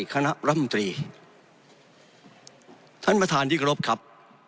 คณะรัฐมนตรีท่านประธานดิกรพครับ